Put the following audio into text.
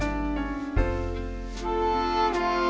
แบทเนส